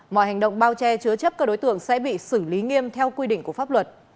mọi hành động bao che chứa chấp các đối tượng sẽ bị xử lý nghiêm theo quy định của pháp luật